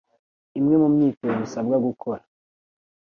Imwe mu myitozo usabwa gukora